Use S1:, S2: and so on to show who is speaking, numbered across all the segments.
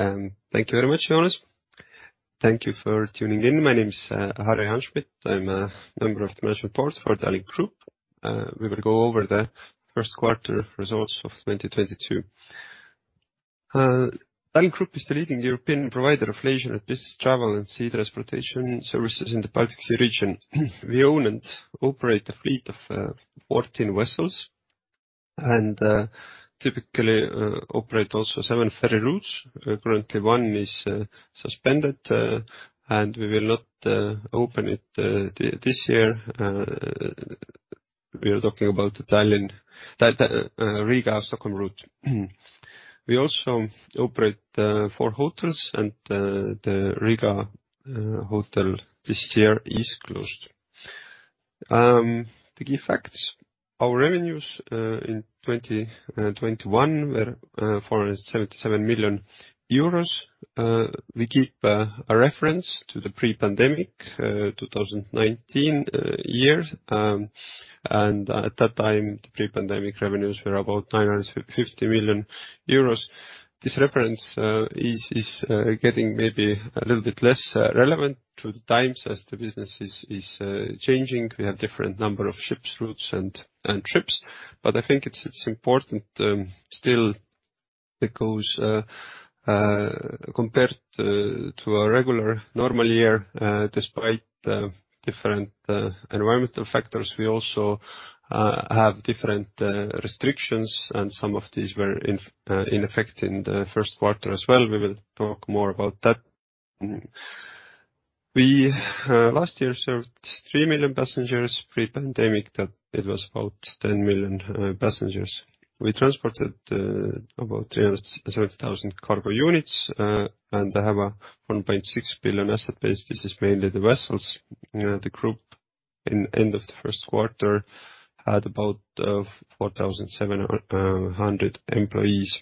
S1: Thank you very much, Joonas. Thank you for tuning in. My name is Harri Hanschmidt. I'm a Member of the Management Board for AS Tallink Grupp. We will go over the first quarter results of 2022. AS Tallink Grupp is the leading European provider of leisure and business travel and sea transportation services in the Baltic Sea region. We own and operate a fleet of 14 vessels and typically operate also seven ferry routes. Currently, one is suspended, and we will not open it this year. We are talking about the Tallinn-Riga-Stockholm route. We also operate four hotels and the Riga hotel this year is closed. The key facts. Our revenues in 2021 were 477 million euros. We keep a reference to the pre-pandemic 2019 year. At that time, the pre-pandemic revenues were about 950 million euros. This reference is getting maybe a little bit less relevant to the times as the business is changing. We have different number of ships, routes, and trips. I think it's important still because compared to our regular normal year, despite the different environmental factors, we also have different restrictions, and some of these were in effect in the first quarter as well. We will talk more about that. We last year served 3 million passengers. Pre-pandemic that it was about 10 million passengers. We transported about 370,000 cargo units and have a 1.6 billion asset base. This is mainly the vessels. The group at the end of the first quarter had about 4,700 employees.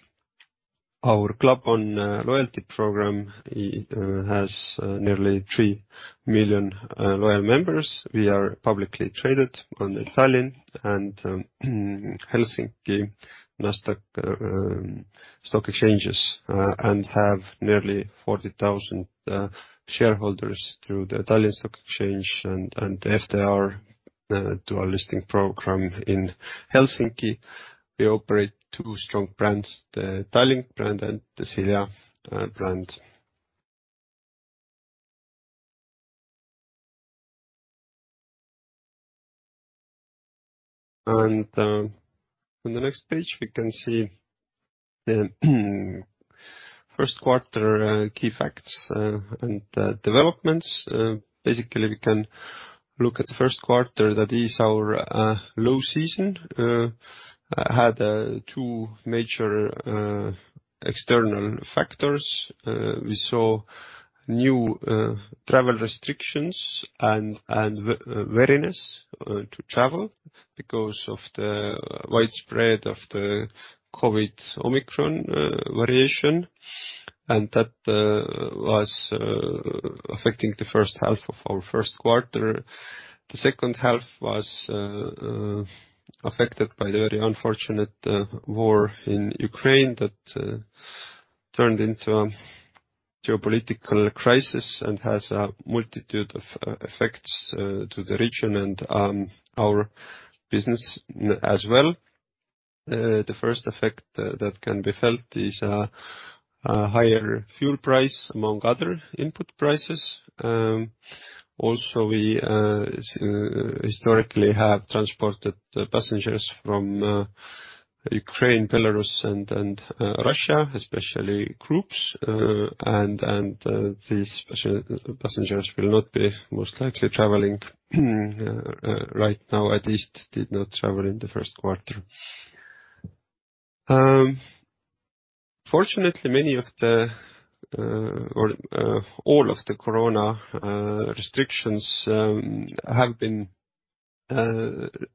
S1: Our Club One loyalty program has nearly 3 million loyal members. We are publicly traded on the Tallinn and Helsinki Nasdaq stock exchanges and have nearly 40,000 shareholders through the Tallinn Stock Exchange and FDR to our listing program in Helsinki. We operate two strong brands, the Tallink brand and the Silja brand. On the next page, we can see the first quarter key facts and developments. Basically, we can look at the first quarter that is our low season. It had two major external factors. We saw new travel restrictions and wariness to travel because of the spread of the COVID-19 Omicron variant. That was affecting the first half of our first quarter. The second half was affected by the very unfortunate war in Ukraine that turned into a geopolitical crisis and has a multitude of effects to the region and our business as well. The first effect that can be felt is a higher fuel price among other input prices. Also we historically have transported passengers from Ukraine, Belarus and Russia, especially groups. These special passengers will not be most likely traveling right now, at least did not travel in the first quarter. Fortunately, all of the COVID-19 restrictions have been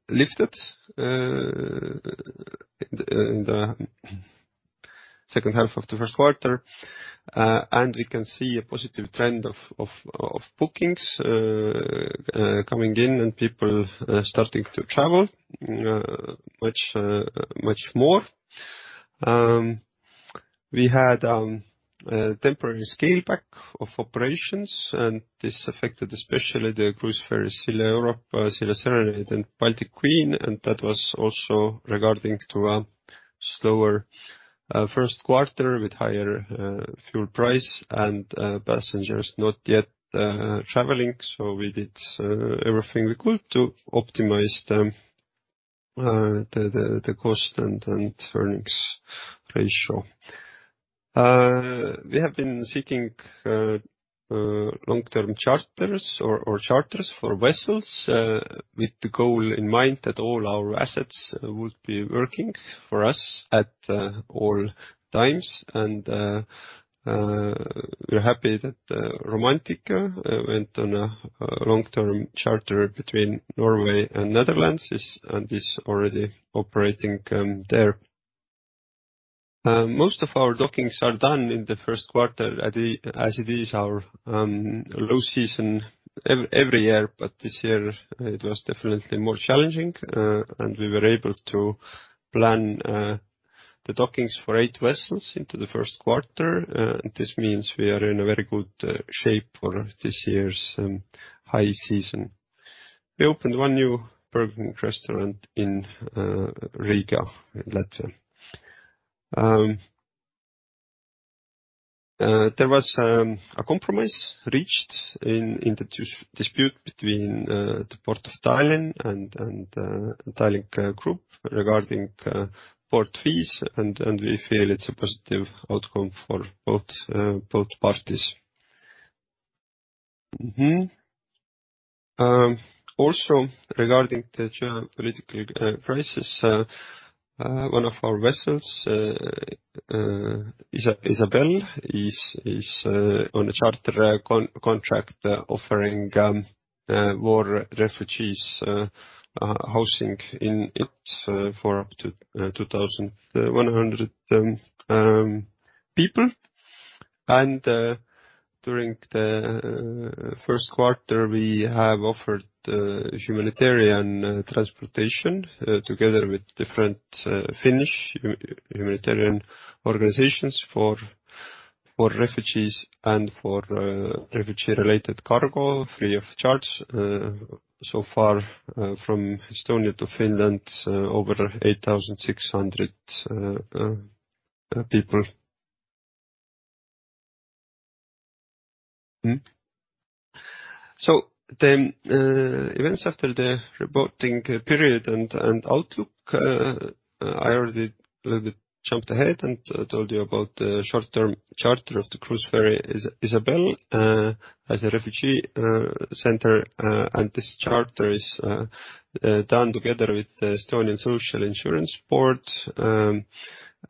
S1: lifted in the second half of the first quarter. We can see a positive trend of bookings coming in and people starting to travel much more. We had a temporary scale back of operations, and this affected especially the cruise ferry Silja Europa, Silja Serenade, and Baltic Queen, and that was also regarding to a slower first quarter with higher fuel price and passengers not yet traveling. We did everything we could to optimize the cost and earnings ratio. We have been seeking long-term charters or charters for vessels with the goal in mind that all our assets would be working for us at all times. We're happy that Romantika went on a long-term charter between Norway and Netherlands, and is already operating there. Most of our dockings are done in the first quarter as it is our low season every year, but this year it was definitely more challenging, and we were able to plan the dockings for eight vessels into the first quarter, this means we are in a very good shape for this year's high season. We opened one new Burger King restaurant in Riga, Latvia. There was a compromise reached in the dispute between the Port of Tallinn and Tallink Group regarding port fees, and we feel it's a positive outcome for both parties. Mm-hmm. Also regarding the geopolitical crisis, one of our vessels, Isabelle is on a charter contract offering war refugees housing in it for up to 2,100 people. During the first quarter, we have offered humanitarian transportation together with different Finnish humanitarian organizations for refugees and for refugee-related cargo, free of charge. So far, from Estonia to Finland, over 8,600 people. Mm-hmm. Events after the reporting period and outlook, I already a little bit jumped ahead and told you about the short-term charter of the cruise ferry Isabelle as a refugee center. This charter is done together with the Estonian Social Insurance Board.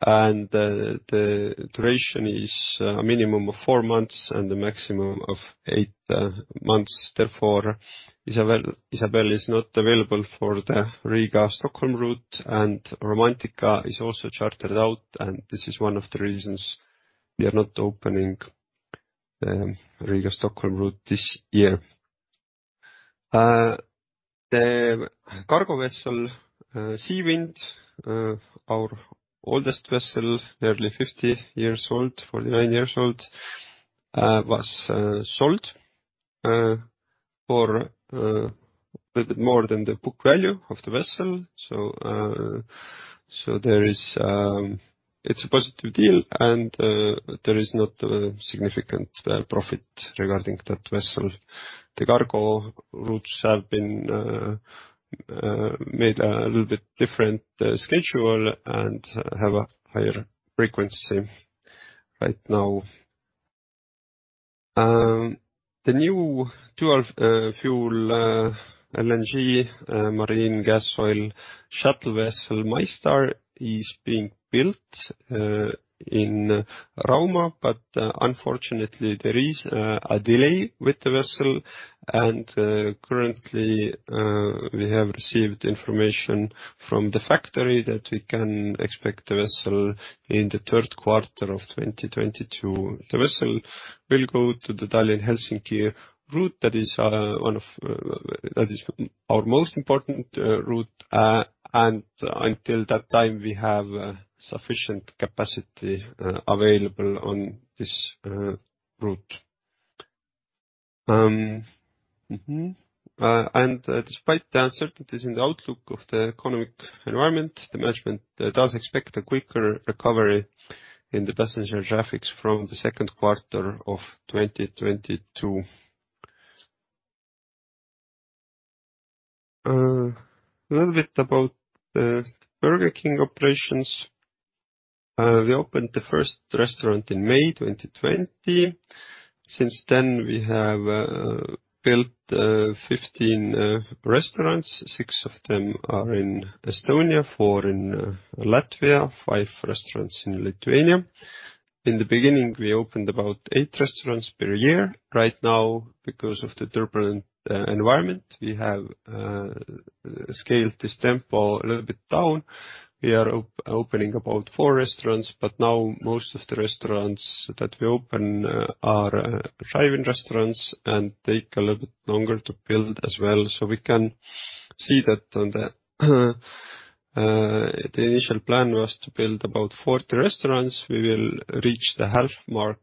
S1: The duration is minimum of four months and a maximum of eight months. Therefore, Isabelle is not available for the Riga-Stockholm route, and Romantika is also chartered out, and this is one of the reasons we are not opening the Riga-Stockholm route this year. The cargo vessel Sea Wind, our oldest vessel, nearly 50 years old, 49 years old, was sold for a little bit more than the book value of the vessel. There is a positive deal and there is not a significant profit regarding that vessel. The cargo routes have been made a little bit different schedule and have a higher frequency right now. The new dual fuel LNG marine gas oil shuttle vessel, MyStar, is being built in Rauma, but unfortunately, there is a delay with the vessel, and currently we have received information from the factory that we can expect the vessel in the third quarter of 2022. The vessel will go to the Tallinn-Helsinki route that is our most important route. Until that time, we have sufficient capacity available on this route. Despite the uncertainties in the outlook of the economic environment, the management does expect a quicker recovery in the passenger traffics from the second quarter of 2022. A little bit about the Burger King operations. We opened the first restaurant in May 2020. Since then, we have built 15 restaurants. Six of them are in Estonia, four in Latvia, five restaurants in Lithuania. In the beginning, we opened about eight restaurants per year. Right now, because of the turbulent environment, we have scaled this tempo a little bit down. We are opening about four restaurants, but now most of the restaurants that we open are drive-in restaurants and take a little bit longer to build as well. We can see that the initial plan was to build about 40 restaurants. We will reach the half mark,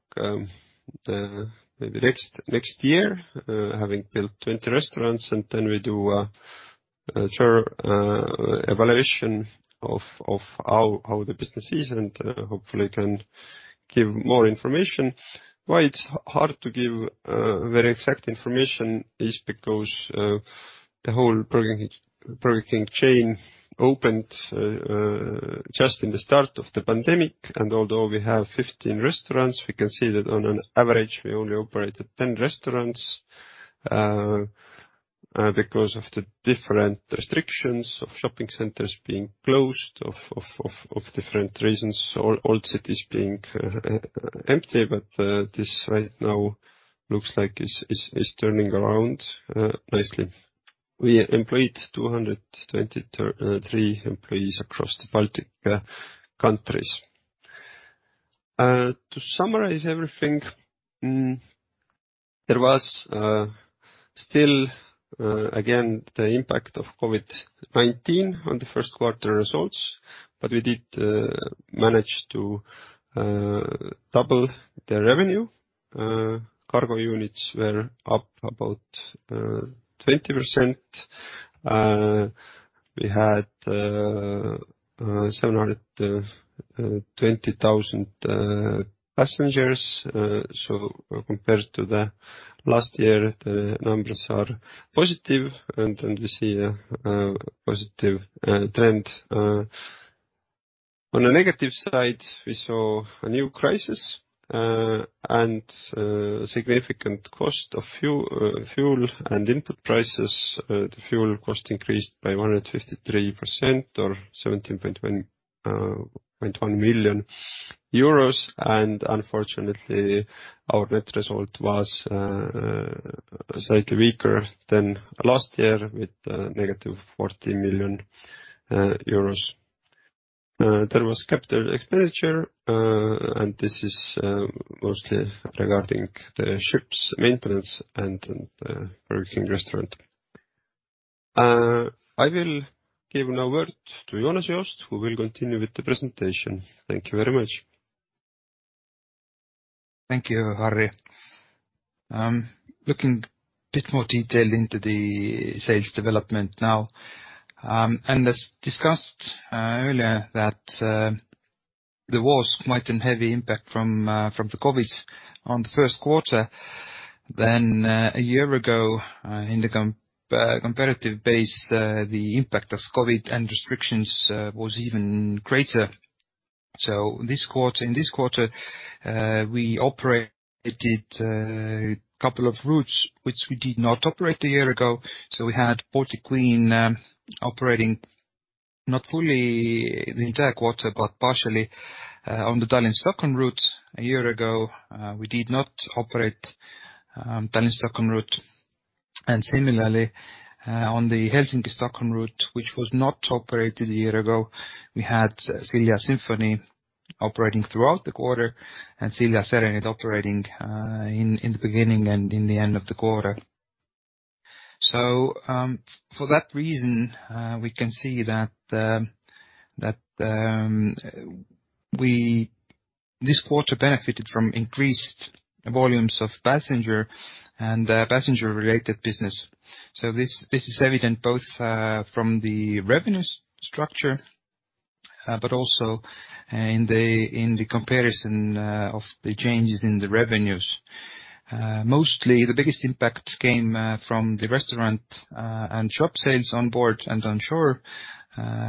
S1: maybe next year, having built 20 restaurants. We do a thorough evaluation of how the business is and hopefully can give more information. Why it's hard to give very exact information is because the whole Burger King chain opened just in the start of the pandemic. Although we have 15 restaurants, we can see that on an average, we only operate at 10 restaurants because of the different restrictions of shopping centers being closed of different reasons, or old cities being empty. This right now looks like it's turning around nicely. We employed 223 employees across the Baltic countries. To summarize everything, there was still again the impact of COVID-19 on the first quarter results, but we did manage to double the revenue. Cargo units were up about 20%. We had 720,000 passengers. Compared to the last year, the numbers are positive and then we see a positive trend. On a negative side, we saw a new crisis and significant cost of fuel and input prices. The fuel cost increased by 153%, or EUR 17.2 million. Unfortunately, our net result was slightly weaker than last year with -40 million euros. There was capital expenditure, and this is mostly regarding the ships maintenance and working restaurant. I will give now word to Joonas Joost, who will continue with the presentation. Thank you very much.
S2: Thank you, Harri. Looking bit more detailed into the sales development now. As discussed earlier that there was quite a heavy impact from the COVID on the first quarter than a year ago in the comparative base, the impact of COVID and restrictions was even greater. In this quarter we operated a couple of routes which we did not operate a year ago. We had Baltic Queen operating, not fully the entire quarter, but partially, on the Tallinn-Stockholm route. A year ago we did not operate Tallinn-Stockholm route. Similarly, on the Helsinki-Stockholm route, which was not operated a year ago, we had Silja Symphony operating throughout the quarter and Silja Serenade operating in the beginning and in the end of the quarter. For that reason, we can see that this quarter benefited from increased volumes of passenger and passenger related business. This is evident both from the revenues structure but also in the comparison of the changes in the revenues. Mostly the biggest impact came from the restaurant and shop sales on board and on shore,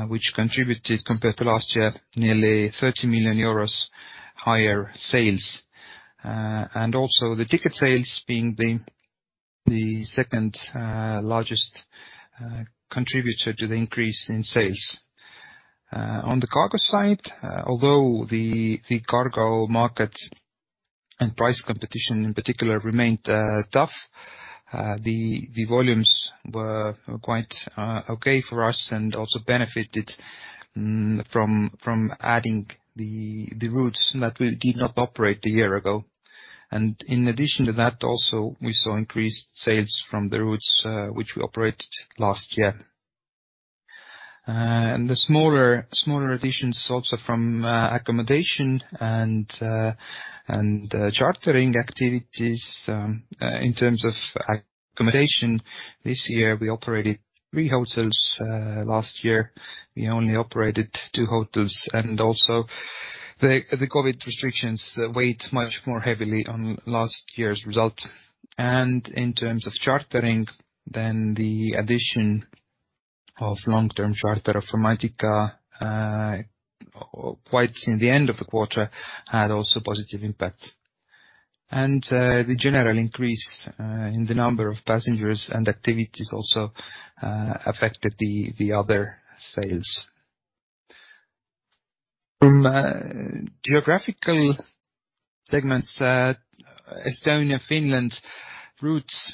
S2: which contributed compared to last year nearly 30 million euros higher sales. The ticket sales being the second largest contributor to the increase in sales. On the cargo side, although the cargo market and price competition in particular remained tough, the volumes were quite okay for us and also benefited from adding the routes that we did not operate a year ago. In addition to that, also we saw increased sales from the routes which we operated last year. The smaller additions also from accommodation and chartering activities. In terms of accommodation, this year we operated three hotels. Last year we only operated two hotels. Also the COVID restrictions weighed much more heavily on last year's result. In terms of chartering then the addition of long-term charter of Romantika quite in the end of the quarter had also positive impact. The general increase in the number of passengers and activities also affected the other sales. From geographical segments, Estonia-Finland routes,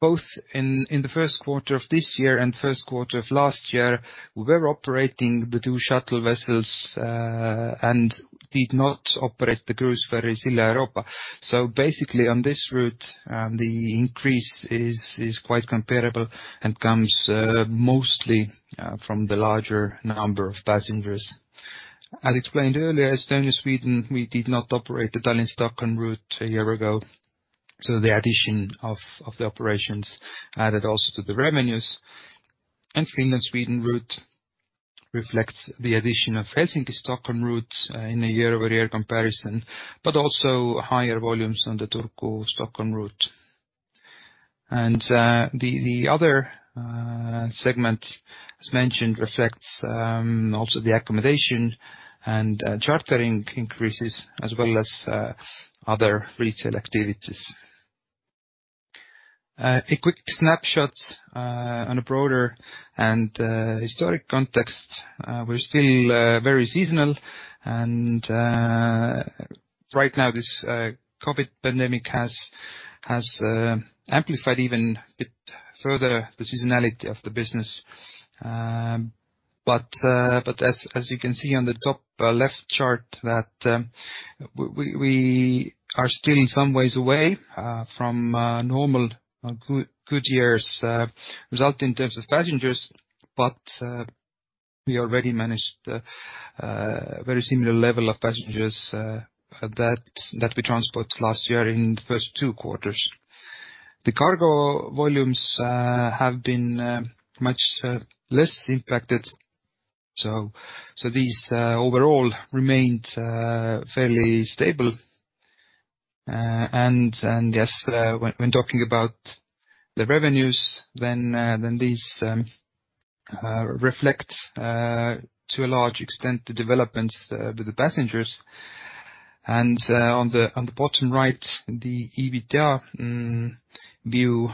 S2: both in the first quarter of this year and first quarter of last year, we were operating the two shuttle vessels and did not operate the cruise ferry Silja Europa. Basically on this route, the increase is quite comparable and comes mostly from the larger number of passengers. As explained earlier, Estonia-Sweden, we did not operate the Tallinn-Stockholm route a year ago. The addition of the operations added also to the revenues. Finland-Sweden route reflects the addition of Helsinki-Stockholm route in a year-over-year comparison, but also higher volumes on the Turku-Stockholm route. The other segment, as mentioned, reflects also the accommodation and chartering increases as well as other retail activities. A quick snapshot on a broader and historical context. We're still very seasonal. Right now, this COVID pandemic has amplified even a bit further the seasonality of the business. As you can see on the top left chart that we are still in some ways away from normal good years' result in terms of passengers. We already managed a very similar level of passengers that we transported last year in the first two quarters. The cargo volumes have been much less impacted. These overall remained fairly stable. Yes, when talking about the revenues, then these reflect to a large extent the developments with the passengers. On the bottom right, the EBITDA view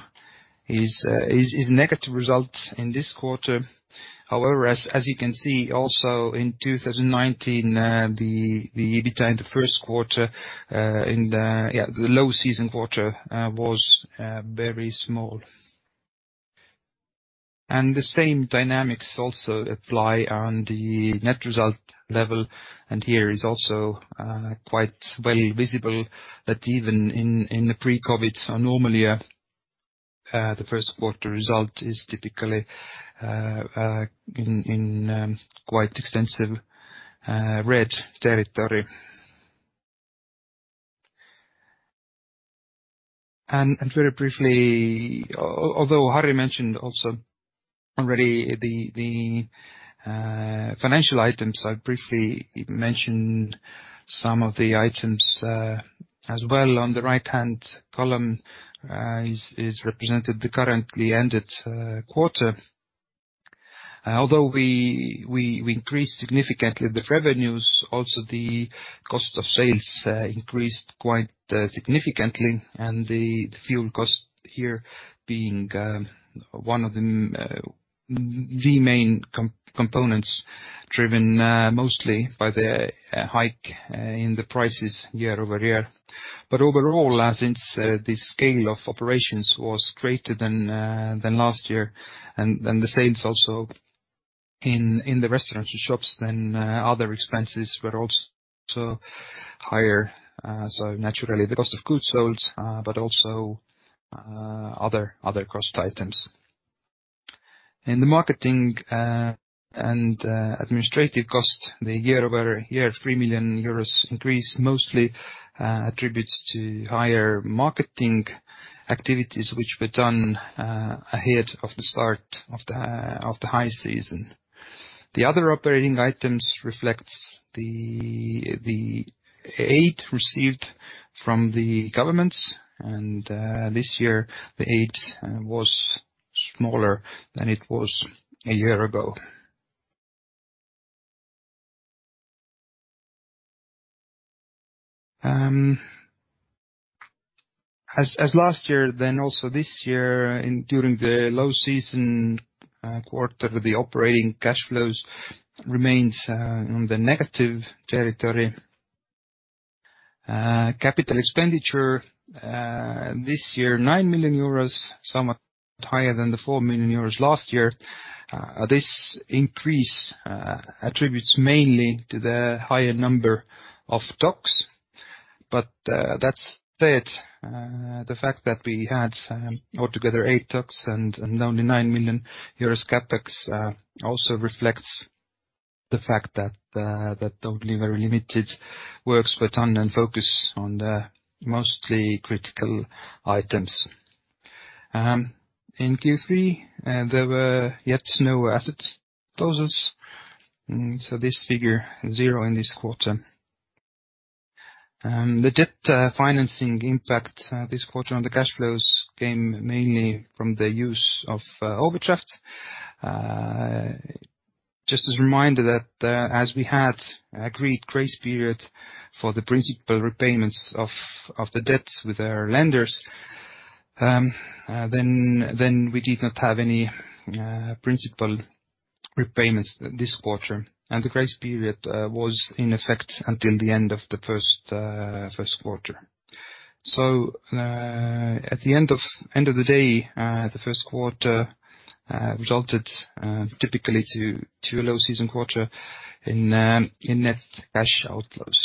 S2: is negative result in this quarter. However, as you can see also in 2019, the EBITDA in the first quarter, in the low season quarter, was very small. The same dynamics also apply on the net result level, and here is also quite well visible that even in the pre-COVID or normal year, the first quarter result is typically in quite extensive red territory. Very briefly, although Harri mentioned also already the financial items, I briefly mention some of the items as well. On the right-hand column is represented the currently ended quarter. Although we increased significantly the revenues, also the cost of sales increased quite significantly, and the fuel cost here being one of the main components, driven mostly by the hike in the prices year-over-year. Overall, since the scale of operations was greater than last year, and the sales also in the restaurants and shops, then other expenses were also higher. Naturally the cost of goods sold, but also other cost items. In the marketing and administrative cost the year-over-year 3 million euros increase mostly is attributed to higher marketing activities, which were done ahead of the start of the high season. The other operating items reflects the aid received from the governments, and this year the aid was smaller than it was a year ago. As last year, also this year during the low season quarter, the operating cash flows remains on the negative territory. Capital expenditure this year 9 million euros, somewhat higher than the 4 million euros last year. This increase attributes mainly to the higher number of docks. That said, the fact that we had altogether eight docks and only 9 million euros CapEx also reflects the fact that only very limited works were done and focused on the mostly critical items. In Q3, there were yet no asset closures, so this figure 0 in this quarter. The debt financing impact this quarter on the cash flows came mainly from the use of overdraft. Just as a reminder that as we had agreed grace period for the principal repayments of the debt with our lenders, then we did not have any principal repayments this quarter, and the grace period was in effect until the end of the first quarter. At the end of the day, the first quarter resulted typically to a low season quarter in net cash outflows.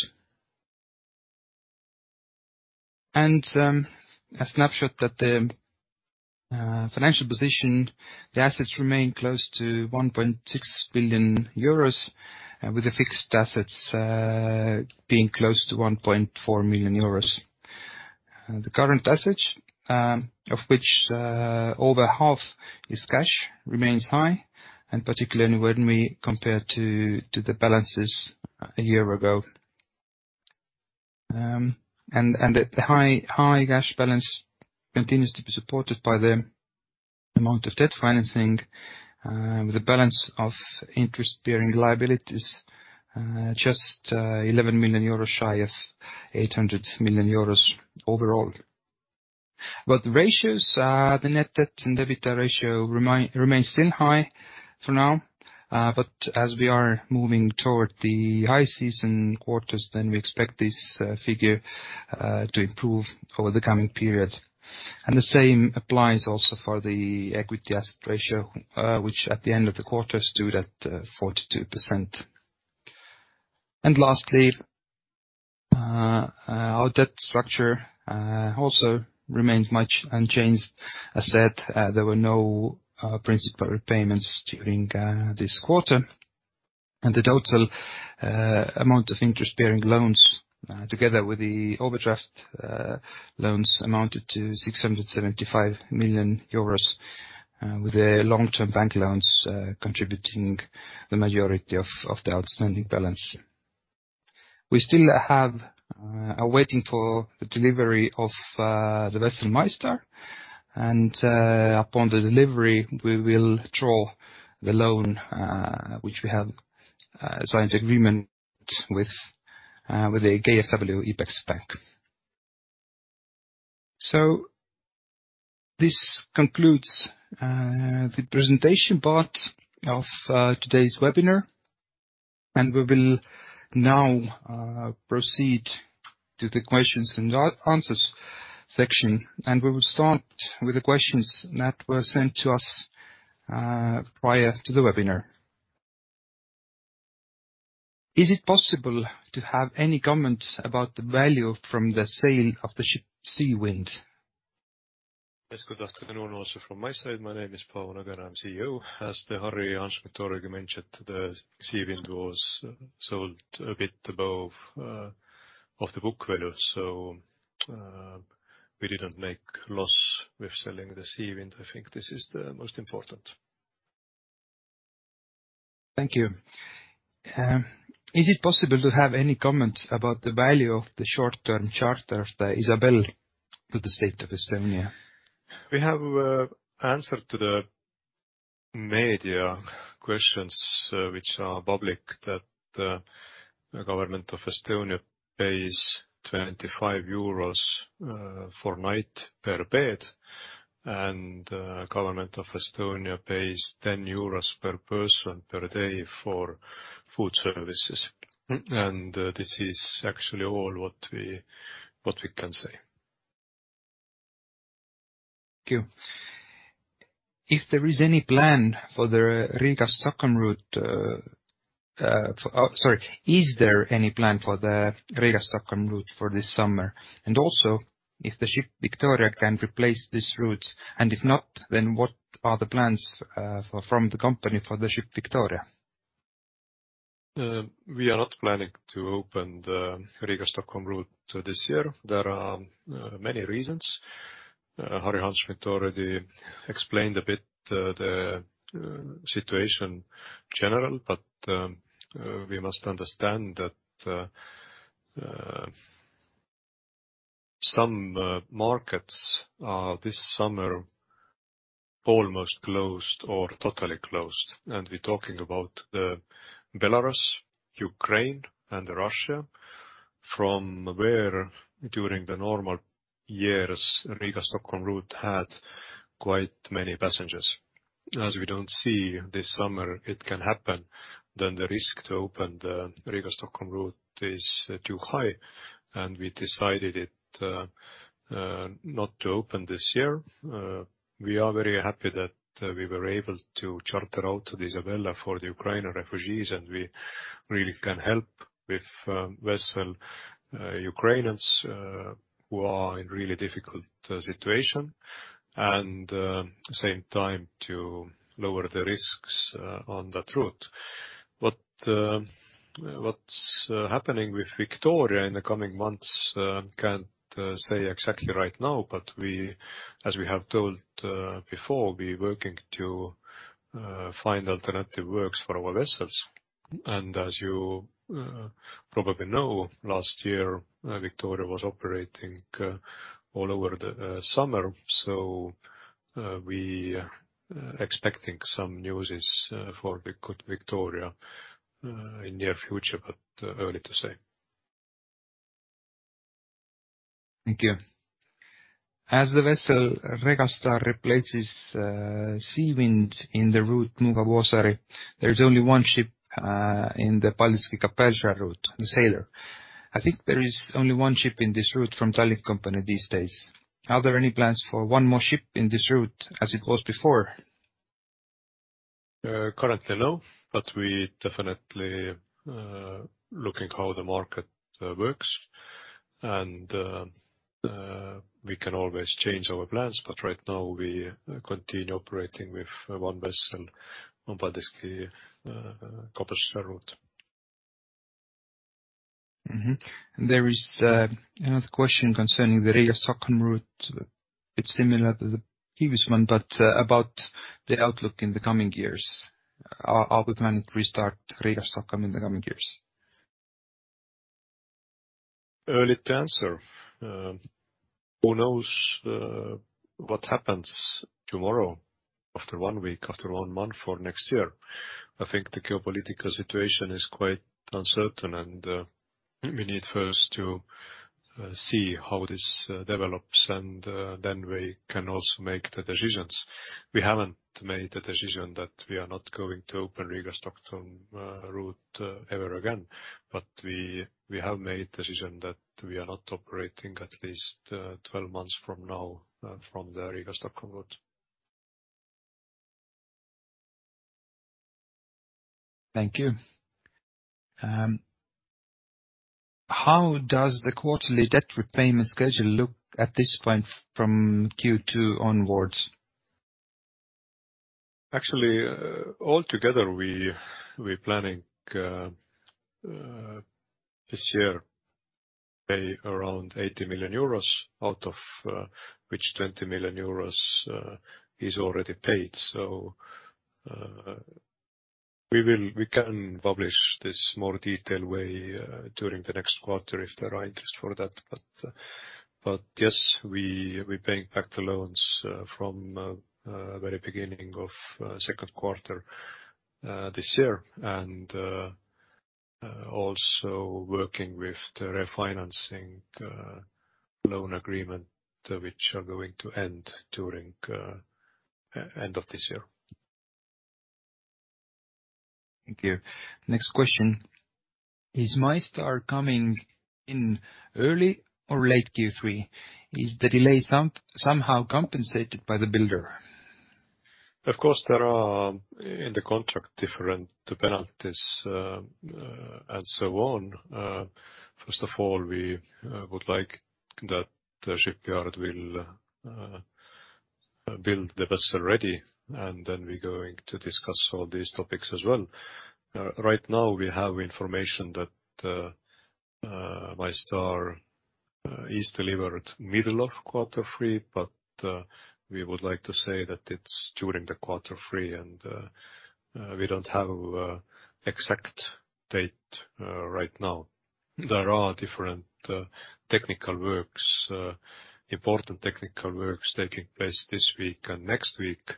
S2: A snapshot at the financial position. The assets remain close to 1.6 billion euros, with the fixed assets being close to 1.4 million euros. The current assets, of which over half is cash, remains high, and particularly when we compare to the balances a year ago. The high cash balance continues to be supported by the amount of debt financing, with the balance of interest-bearing liabilities just 11 million euros shy of 800 million euros overall. The ratios, the net debt and debt ratio remains still high for now. As we are moving toward the high season quarters then we expect this figure to improve over the coming period. The same applies also for the equity asset ratio, which at the end of the quarter stood at 42%. Lastly, our debt structure also remains much unchanged. As said, there were no principal repayments during this quarter. The total amount of interest-bearing loans together with the overdraft loans amounted to 675 million euros, with the long-term bank loans contributing the majority of the outstanding balance. We are still waiting for the delivery of the vessel MyStar. Upon the delivery, we will draw the loan which we have signed agreement with the KfW IPEX-Bank. This concludes the presentation part of today's webinar, and we will now proceed to the questions and answers section. We will start with the questions that were sent to us prior to the webinar. Is it possible to have any comment about the value from the sale of the ship Sea Wind?
S3: Yes. Good afternoon also from my side. My name is Paavo Nõgene, I'm CEO. As Harri Hanschmidt already mentioned, the Sea Wind was sold a bit above of the book value. We didn't make loss with selling the Sea Wind. I think this is the most important.
S2: Thank you. Is it possible to have any comments about the value of the short-term charter of the Isabelle to the state of Estonia?
S3: We have answered to the media questions, which are public, that the government of Estonia pays 25 euros per night per bed, and government of Estonia pays 10 euros per person per day for food services.
S2: Mm.
S3: This is actually all what we can say.
S2: Thank you. Is there any plan for the Riga-Stockholm route for this summer? Also if the ship Victoria I can replace this route, and if not, then what are the plans for from the company for the ship Victoria I?
S3: We are not planning to open the Riga-Stockholm route this year. There are many reasons. Harri Hanschmidt already explained a bit the situation general, but we must understand that some markets are this summer almost closed or totally closed. We're talking about the Belarus, Ukraine and Russia, from where during the normal years Riga-Stockholm route had quite many passengers. As we don't see this summer it can happen, then the risk to open the Riga-Stockholm route is too high, and we decided it not to open this year. We are very happy that we were able to charter out the Isabelle for the Ukrainian refugees, and we really can help with vessel Ukrainians who are in really difficult situation and same time to lower the risks on that route. What's happening with Victoria in the coming months? Can't say exactly right now, but as we have told before, we're working to find alternative works for our vessels. As you probably know, last year Victoria was operating all over the summer. We're expecting some news in store for Victoria in near future, but early to say.
S2: Thank you. As the vessel Regal Star replaces Sea Wind in the route Muuga–Vuosaari, there is only one ship in the Paldiski-Kapellskär route, the Sailor. I think there is only one ship in this route from Tallink company these days. Are there any plans for one more ship in this route as it was before?
S3: Currently no, but we definitely looking how the market works and we can always change our plans, but right now we continue operating with one vessel on Paldiski-Kapellskär route.
S2: Mm-hmm. There is another question concerning the Riga-Stockholm route. It's similar to the previous one, but about the outlook in the coming years. Are we planning to restart Riga-Stockholm in the coming years?
S3: Hard to answer. Who knows what happens tomorrow? After one week, after one month for next year. I think the geopolitical situation is quite uncertain, and we need first to see how this develops, and then we can also make the decisions. We haven't made a decision that we are not going to open Riga-Stockholm route ever again. We have made decision that we are not operating at least 12 months from now from the Riga-Stockholm route.
S2: Thank you. How does the quarterly debt repayment schedule look at this point from Q2 onwards?
S3: Actually, altogether, we're planning this year pay around 80 million euros, out of which 20 million euros is already paid. We can publish this more detailed way during the next quarter if there are interest for that. Yes, we're paying back the loans from very beginning of second quarter this year. Also working with the refinancing loan agreement which are going to end during end of this year.
S2: Thank you. Next question: Is MyStar coming in early or late Q3? Is the delay somehow compensated by the builder?
S3: Of course, there are in the contract different penalties, and so on. First of all, we would like that the shipyard will build the vessel ready, and then we're going to discuss all these topics as well. Right now we have information that MyStar is delivered middle of quarter three, but we would like to say that it's during the quarter three and we don't have exact date right now. There are different technical works, important technical works taking place this week and next week.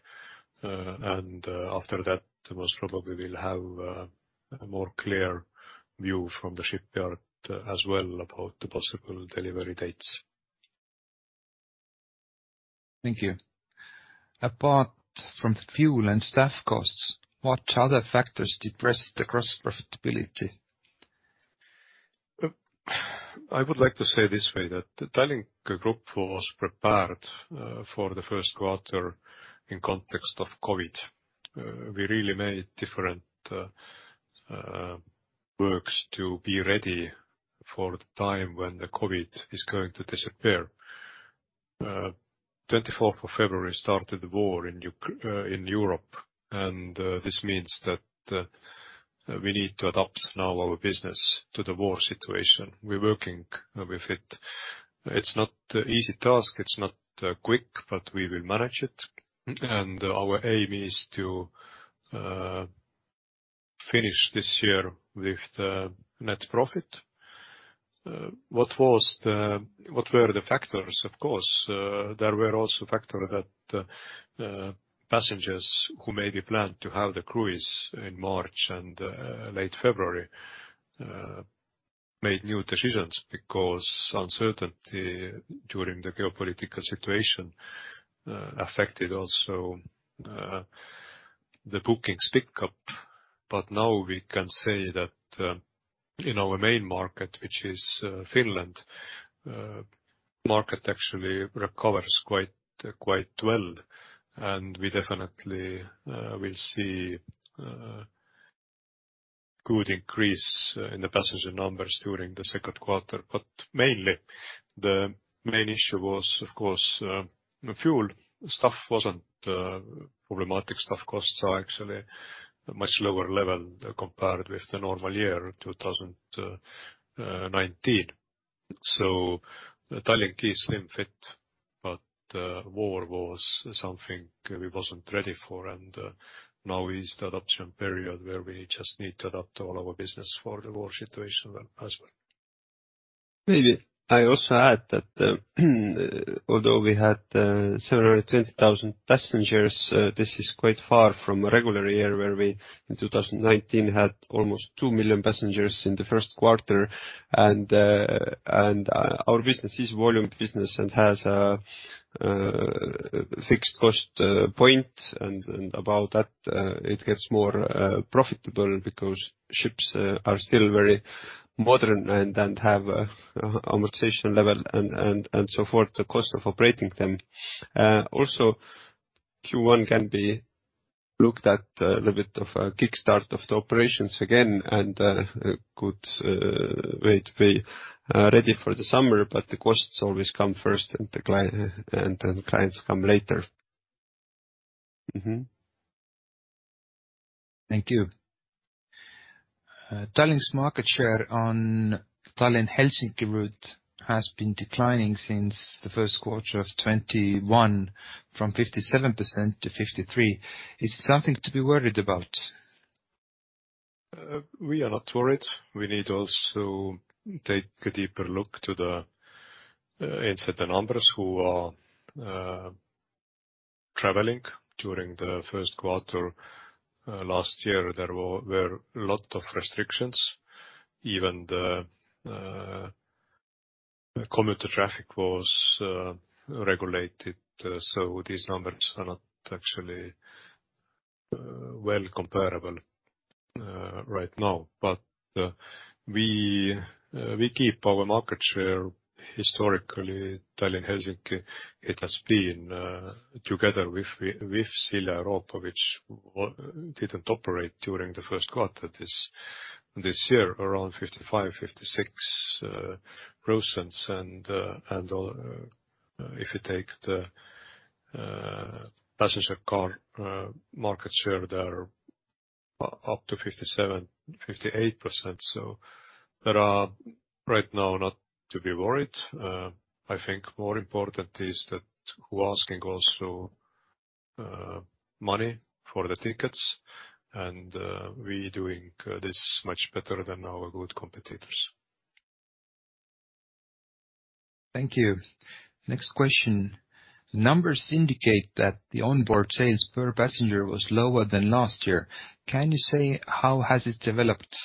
S3: After that, most probably we'll have a more clear view from the shipyard as well about the possible delivery dates.
S2: Thank you. Apart from fuel and staff costs, what other factors depressed the gross profitability?
S3: I would like to say this way that the Tallink Group was prepared for the first quarter in context of COVID. We really made different works to be ready for the time when the COVID is going to disappear. 24th of February started the war in Europe, and this means that we need to adapt now our business to the war situation. We're working with it. It's not an easy task, it's not quick, but we will manage it. Our aim is to finish this year with the net profit. What were the factors? Of course, there were also factors that passengers who maybe planned to have the cruise in March and late February made new decisions because uncertainty during the geopolitical situation affected also the bookings pickup. Now we can say that in our main market, which is Finland, market actually recovers quite well. We definitely will see good increase in the passenger numbers during the second quarter. Mainly, the main issue was, of course, fuel. Staff wasn't problematic. Staff costs are actually much lower level compared with the normal year, 2019. Tallink is slim fit, but war was something we wasn't ready for. Now is the adaptation period where we just need to adapt all our business for the war situation as well.
S2: Maybe I also add that although we had several 20,000 passengers, this is quite far from a regular year where we in 2019 had almost 2 million passengers in the first quarter. Our business is volume business and has fixed cost point. About that, it gets more profitable because ships are still very modern and have amortization level and so forth, the cost of operating them. Also Q1 can be looked at a little bit of a kickstart of the operations again and a good way to be ready for the summer, but the costs always come first and then clients come later. Mm-hmm. Thank you. Tallink's market share on Tallinn-Helsinki route has been declining since the first quarter of 2021, from 57% to 53%. Is it something to be worried about?
S3: We are not worried. We need also take a deeper look into the numbers who are traveling during the first quarter. Last year there were lot of restrictions, even the commuter traffic was regulated. These numbers are not actually well comparable right now. We keep our market share historically Tallinn, Helsinki. It has been together with Silja Europa which didn't operate during the first quarter. This year around 55-56% and if you take the passenger car market share, they are up to 57-58%. There are right now not to be worried. I think more important is that who asking also money for the tickets and we doing this much better than our good competitors.
S2: Thank you. Next question. Numbers indicate that the onboard sales per passenger was lower than last year. Can you say how has it developed?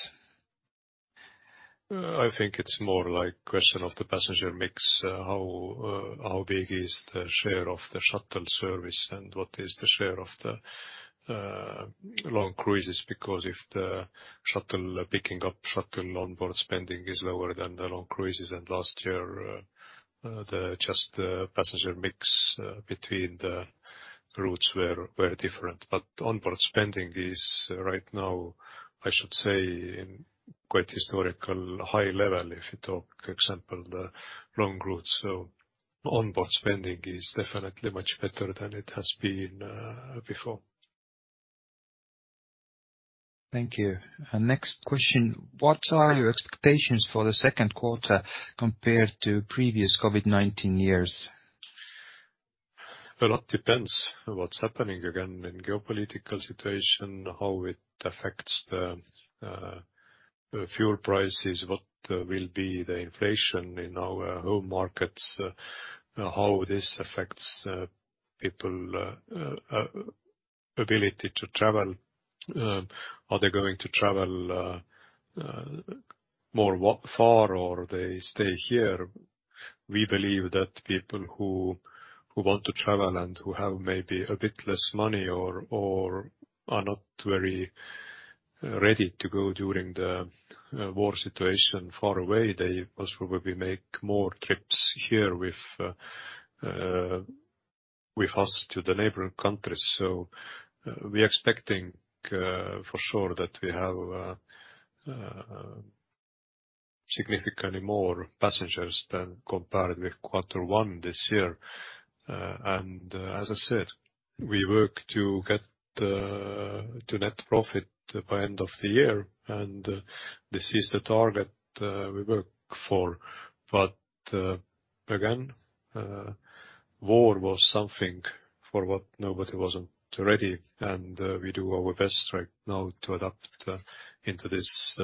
S3: I think it's more like question of the passenger mix. How big is the share of the shuttle service and what is the share of the long cruises. Because if the shuttle picking up shuttle onboard spending is lower than the long cruises and last year, just the passenger mix between the routes were different. But onboard spending is right now, I should say, in quite historical high level, if you talk example the long routes. Onboard spending is definitely much better than it has been before.
S2: Thank you. Next question. What are your expectations for the second quarter compared to previous COVID-19 years?
S3: A lot depends what's happening again in the geopolitical situation, how it affects the fuel prices, what will be the inflation in our home markets, how this affects people ability to travel. Are they going to travel more afar or they stay here? We believe that people who want to travel and who have maybe a bit less money or are not very ready to go during the war situation far away, they most probably make more trips here with us to the neighboring countries. We expecting for sure that we have significantly more passengers than compared with quarter one this year. As I said, we work to get to net profit by end of the year, and this is the target we work for. Again, war was something for what nobody wasn't ready. We do our best right now to adapt into this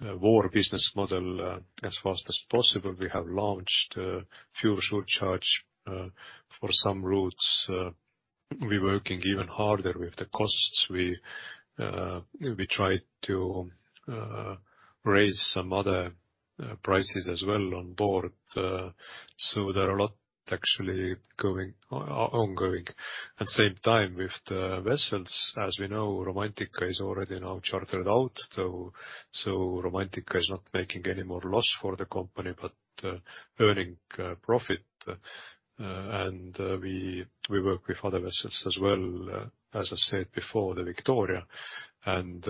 S3: war business model as fast as possible. We have launched a fuel surcharge for some routes. We working even harder with the costs. We try to raise some other prices as well on board. There are a lot actually ongoing. At the same time with the vessels, as we know, Romantika is already now chartered out. So Romantika is not making any more loss for the company, but earning profit. We work with other vessels as well. As I said before, the Victoria and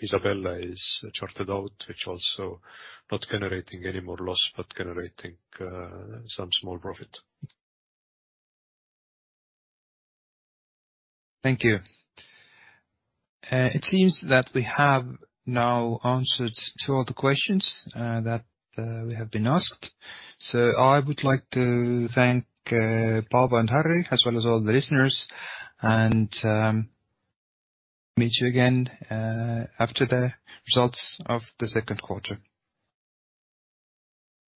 S3: Isabelle is chartered out, which also not generating any more loss, but generating some small profit.
S2: Thank you. It seems that we have now answered to all the questions that we have been asked. I would like to thank Paavo and Harri, as well as all the listeners, and meet you again after the results of the second quarter.